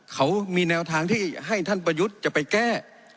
เขามีแนวทางที่ให้ท่านประยุทธ์จะไปแก้